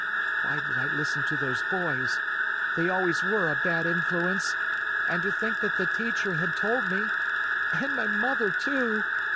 Why did I listen to those boys? They always were a bad influence! And to think that the teacher had told me and my mother, too!